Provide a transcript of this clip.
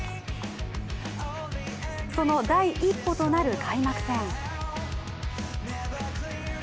その第一歩となる開幕戦。